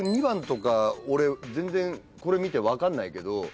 ２番とか俺全然これ見て分かんないけど。